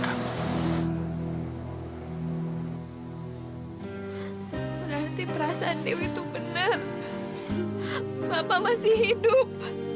berarti perasaan davi itu benar bapak masih hidup